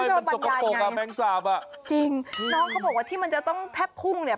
มันจะบรรยายยังไงจริงน้องเขาบอกว่าที่มันจะต้องแทบพุ่งเนี่ย